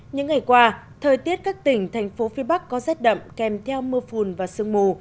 những ngày qua thời tiết các tỉnh thành phố phía bắc có rét đậm kèm theo mưa phùn và sương mù